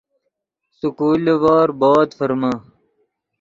سکول لیڤور بود ڤرمے